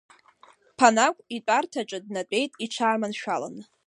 Ԥанагә итәарҭаҿы днатәеит иҽаарманшәаланы.